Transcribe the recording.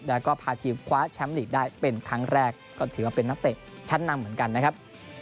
แล้วก็พาทีมคว้าแชมป์ลีกได้เป็นครั้งแรกก็ถือว่าเป็นนักเตะชั้นนำเหมือนกันนะครับ